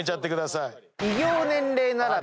偉業年齢ならべ。